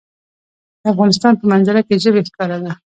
د افغانستان په منظره کې ژبې ښکاره ده.